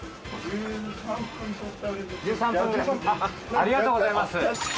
ありがとうございます。